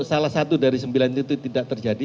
salah satu dari sembilan itu tidak terjadi